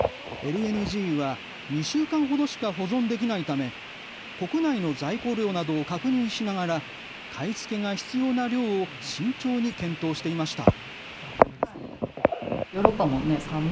ＬＮＧは２週間ほどしか保存できないため、国内の在庫量などを確認しながら買い付けが必要な量を慎重に検討していました。